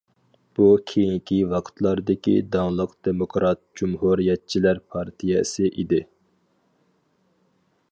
بۇ كېيىنكى ۋاقىتلاردىكى داڭلىق دېموكرات جۇمھۇرىيەتچىلەر پارتىيەسى ئىدى.